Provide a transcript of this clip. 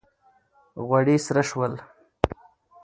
غوړي سره سول